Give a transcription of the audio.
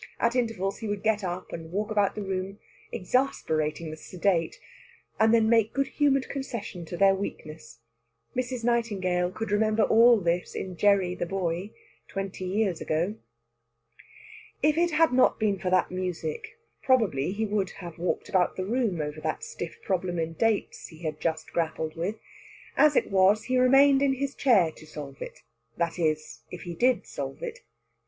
At intervals he would get up and walk about the room, exasperating the sedate, and then making good humoured concession to their weakness. Mrs. Nightingale could remember all this in Gerry the boy, twenty years ago. If it had not been for that music, probably he would have walked about the room over that stiff problem in dates he had just grappled with. As it was, he remained in his chair to solve it that is, if he did solve it.